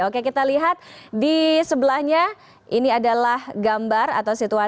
oke kita lihat di sebelahnya ini adalah gambar atau situasi